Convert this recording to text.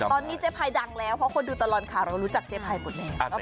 ตอนนี้เจ๊ภัยดังแล้วเพราะคนดูตลอดข่าวเรารู้จักเจ๊ภัยหมดแล้ว